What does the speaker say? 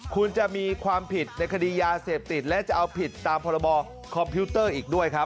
คุณจะมีความผิดในคดียาเสพติดและจะเอาผิดตามพรบคอมพิวเตอร์อีกด้วยครับ